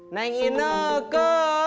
neng ine ke